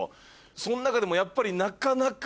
その中でもやっぱりなかなか。